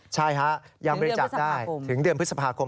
ใช่ค่ะยังบริจักษ์ได้